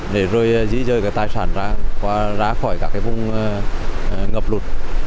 để rồi dĩ dơi cái tài sản ra khỏi các vùng ngập lụt